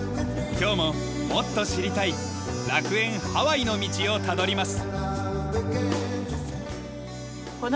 今日ももっと知りたい楽園ハワイの道をたどります。